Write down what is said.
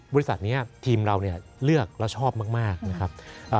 บริษัทนี้ทีมเราเนี่ยเลือกแล้วชอบมากนะครับ